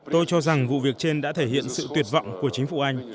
tôi cho rằng vụ việc trên đã thể hiện sự tuyệt vọng của chính phủ anh